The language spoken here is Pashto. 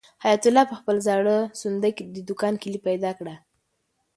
حیات الله په خپل زاړه صندوق کې د دوکان کلۍ پیدا کړه.